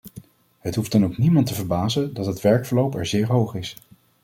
Het hoeft dan ook niemand te verbazen dat het werkverloop er zeer hoog is.